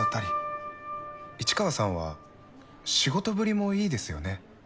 市川さんは仕事ぶりもいいですよね。